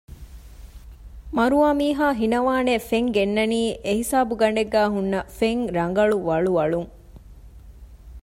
މަރުވާ މީހާ ހިނަވާނެ ފެން ގެންނަނީ އެހިސާބުގަނޑެއްގައި ހުންނަ ފެން ރަނގަޅު ވަޅުވަޅުން